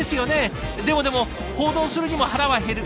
でもでも報道するにも腹は減る。